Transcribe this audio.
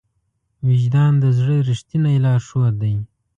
وجدان د زړه ریښتینی لارښود دی.